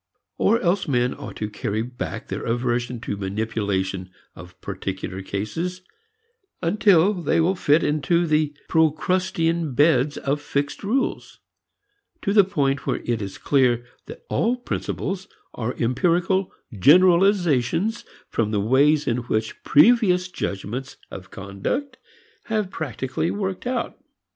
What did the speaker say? Or else men ought to carry back their aversion to manipulation of particular cases, until they will fit into the procrustean beds of fixed rules, to the point where it is clear that all principles are empirical generalizations from the ways in which previous judgments of conduct have practically worked out.